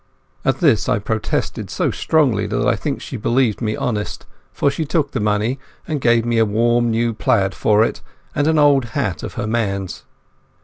At this I protested so strongly that I think she believed me honest, for she took the money and gave me a warm new plaid for it, and an old hat of her man's.